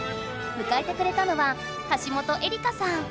むかえてくれたのは橋本えりかさん。